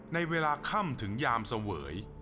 ในเวลาค่ำถึงยามเสวย